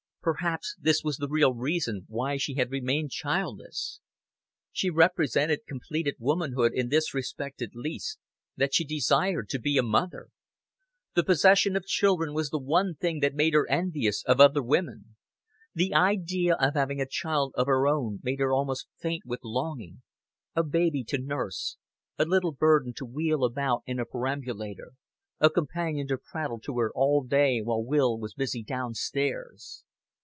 Perhaps this was the real reason why she had remained childless. She represented completed womanhood in this respect at least, that she desired to be a mother. The possession of children was the one thing that made her envious of other women. The idea of having a child of her own made her almost faint with longing a baby to nurse, a little burden to wheel about in a perambulator, a companion to prattle to her all day while Will was busy down stairs.